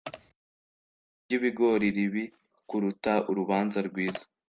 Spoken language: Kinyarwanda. isezerano ryibigori ribi kuruta urubanza rwiza.